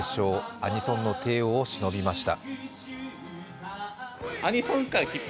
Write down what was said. アニソンの帝王をしのびました。